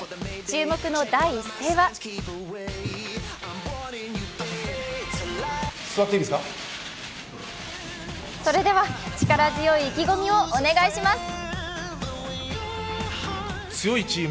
注目の第一声はそれでは力強い意気込みをお願いします。